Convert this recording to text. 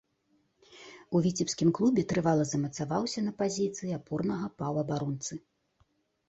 У віцебскім клубе трывала замацаваўся на пазіцыі апорнага паўабаронцы.